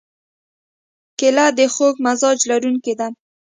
کېله د خوږ مزاج لرونکې ده.